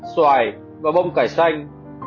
xoài và bông cải xanh